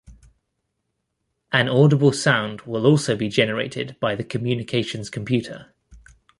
An audible sound will also be generated by the communications computer.